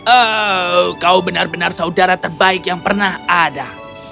oh kau benar benar saudara terbaik yang pernah ada